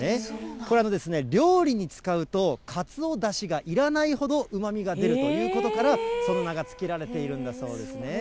これは料理に使うと、かつおだしがいらないほどうまみが出るということから、その名が付けられているんだそうですね。